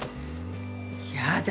やだ